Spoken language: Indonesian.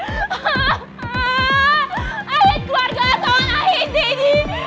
ah keluarga sama ahis deddy